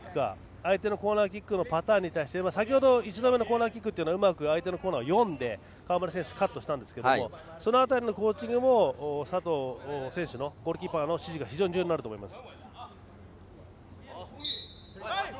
相手のコーナーキックのパターンに対して先ほど１度目のコーナーキックはうまく相手のコーナーを読んで川村選手がカットしたんですけどその辺りのコーチングも佐藤選手のゴールキーパーの指示が非常に重要になると思います。